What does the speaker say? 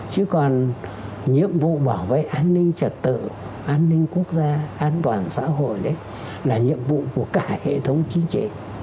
chứ còn nhiệm vụ bảo vệ an ninh trật tự an ninh quốc gia an toàn xã hội đấy là nhiệm vụ của cả hệ thống chính trị